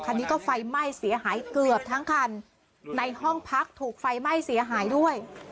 คันนี้ก็ไฟไหม้เสียหายเกือบทั้งคันในห้องพักถูกไฟไหม้เสียหายด้วย